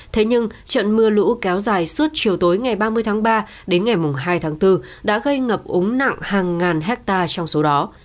thế nhưng trận mưa lũ kéo dài suốt chiều tối ngày ba mươi tháng ba đến ngày hai tháng bốn đã gây ngập úng nặng hàng ngàn hectare trong số đó